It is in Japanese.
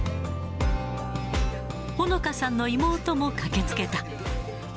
ほのかさんの妹も駆けつけた。